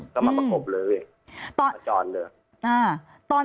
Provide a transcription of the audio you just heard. ก็มาประกบเลย